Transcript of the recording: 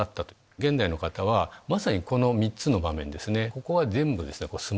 現代の方はまさにこの３つの場面。